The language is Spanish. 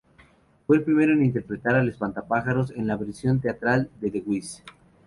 Fue el primero en interpretar al Espantapájaros en la versión teatral de "The Wiz".